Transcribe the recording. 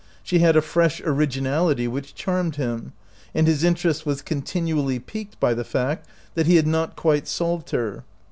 She had a fresh originality which charmed him, and his interest was continually piqued by the fact that he had not quite solved her.